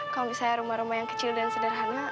kalau misalnya rumah rumah yang kecil dan sederhana